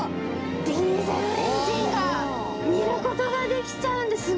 ディーゼルエンジンが見ることができちゃうんです